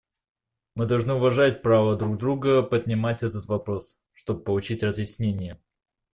Мы должны уважать право друг друга поднимать этот вопрос, чтобы получить разъяснение.